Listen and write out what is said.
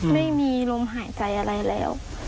ไม่มีลมหายใจอะไรแล้ว